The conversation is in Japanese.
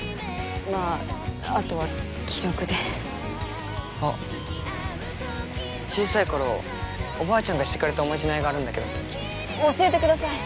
まああとは気力であっ小さい頃おばあちゃんがしてくれたおまじないがあるんだけど教えてください